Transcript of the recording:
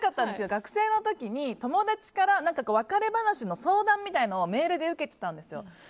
学生の時に友達から別れ話の相談みたいなものをメールで受けてたんですよ。